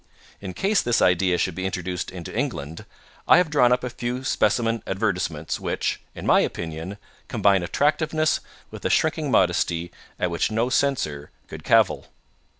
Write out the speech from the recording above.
In case this idea should be introduced into England, I have drawn up a few specimen advertisements which, in my opinion, combine attractiveness with a shrinking modesty at which no censor could cavil."